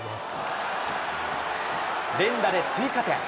連打で追加点。